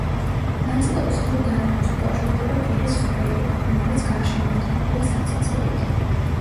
ნაწლავის ღრუ გარემოს უკავშირდება პირის ხვრელით, რომელიც გარშემორტყმულია საცეცებით.